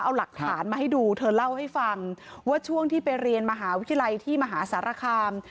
เอาหลักฐานมาให้ดูเธอเล่าให้ฟังว่าช่วงที่ไปเรียนมหาวิทยาลัยที่มหาสารคาม